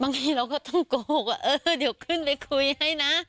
บางทีเราก็ต้องโกหกว่าเออเดี๋ยวขึ้นไปคุยให้นะ